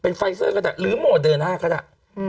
เป็นไฟเซอร์ก็ได้หรือโมเดอร์น่าก็ได้